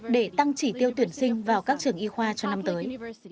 để tăng chỉ tiêu tuyển sinh vào các trường y khoa cho năm tới